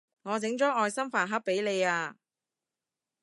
我整咗愛心飯盒畀你啊